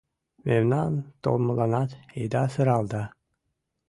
Мемнан толмыланат ида сырал да